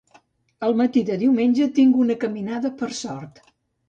El matí de diumenge tinc una caminada per Sort.